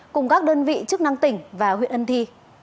cùng các đơn vị chức năng tỉnh và huyện ân thi